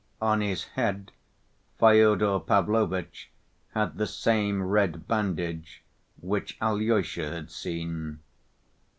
On his head Fyodor Pavlovitch had the same red bandage which Alyosha had seen.